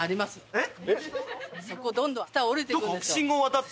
えっ？